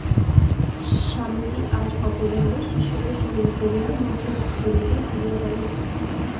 স্বামীজী আজ অপরাহ্নে শিষ্যকে সঙ্গে করিয়া মঠের জমিতে ঘুরিয়া বেড়াইতেছেন।